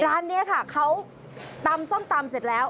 ร้านนี้ค่ะเขาตำส้มตำเสร็จแล้ว